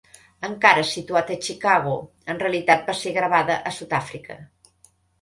Encara situat a Chicago, en realitat va ser gravada a Sud-àfrica.